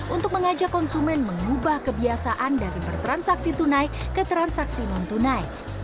untuk mengajak konsumen mengubah kebiasaan dari bertransaksi tunai ke transaksi non tunai